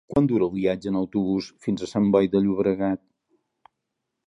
Quant dura el viatge en autobús fins a Sant Boi de Llobregat?